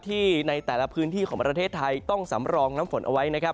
ในแต่ละพื้นที่ของประเทศไทยต้องสำรองน้ำฝนเอาไว้นะครับ